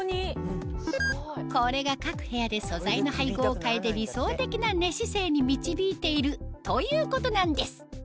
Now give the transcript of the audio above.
これが各部屋で素材の配合を変えて理想的な寝姿勢に導いているということなんです